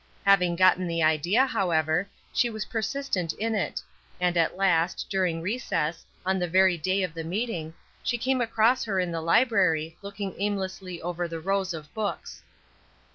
Having gotten the idea, however, she was persistent in it; and at last, during recess, on the very day of the meeting, she came across her in the library, looking aimlessly over the rows of books.